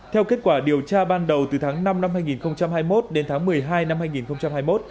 theo kết quả điều tra ban đầu từ tháng năm năm hai nghìn hai mươi một đến tháng một mươi hai năm hai nghìn hai mươi một